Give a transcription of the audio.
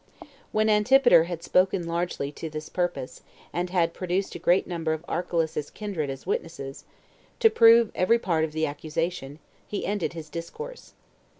6. When Antipater had spoken largely to this purpose, and had produced a great number of Archelaus's kindred as witnesses, to prove every part of the accusation, he ended his discourse.